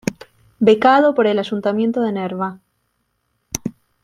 Becado por el Ayuntamiento de Nerva.